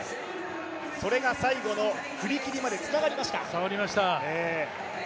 それが最後の振り切りまで伝わりました。